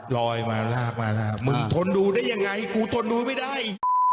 ลอยมาลากมาลากมึงทนดูได้ยังไงกูทนดูไม่ได้